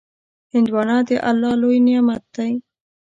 هندوانه د الله لوی نعمت دی.